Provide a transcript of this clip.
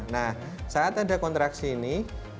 nah saat ada kontraksi ini